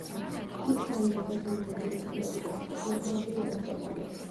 იქ დაიბადა ბერძენი მათემატიკოსი და გეოგრაფი ერატოსთენე.